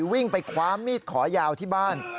วิ่งไปคว้ามีดขอยาวที่บ้าน